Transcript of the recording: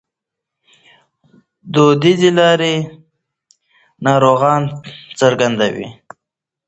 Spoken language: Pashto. دودیزې لارې ناروغان ځنډوي.